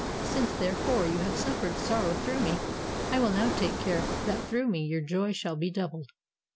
Since, therefore, you have suffered sorrow through me, I will now take care that through me your joy shall be doubled.